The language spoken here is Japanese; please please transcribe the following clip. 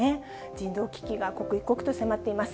人道危機が刻一刻と迫っています。